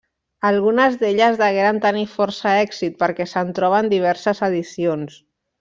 Algunes d'elles degueren tenir força èxit perquè se'n troben diverses edicions.